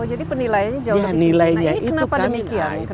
jadi penilainya jauh lebih tinggi